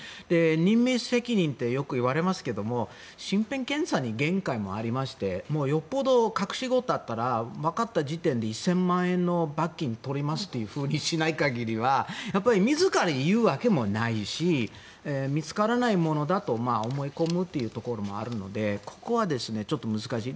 任命責任ってよく言われますけど身辺検査に限界もありましてよほどの隠し事があったらわかった時点で１０００万円の罰金を取りますというふうにしない限りは自ら言うわけもないし見つからないものだと思い込むというところもあるのでここはちょっと難しい。